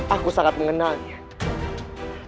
aku sangat mengenalnya